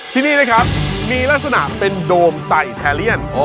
ที่นี่นะครับมีลักษณะเป็นโดมไซแทเลียน